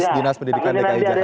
saya ralat pendidikan dki jakarta